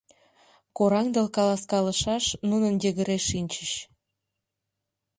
Кораҥдыл каласкалышаш нуно йыгыре шинчыч.